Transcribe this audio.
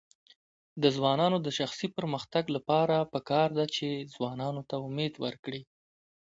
د ځوانانو د شخصي پرمختګ لپاره پکار ده چې ځوانانو ته امید ورکړي.